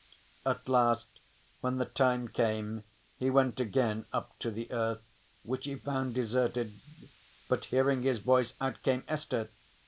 At last when the time came he went again up to the earth, which he found deserted, but hearing his voice, out came Esther.